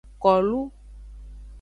Kolu.